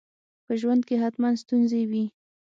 په ژوند کي حتماً ستونزي وي.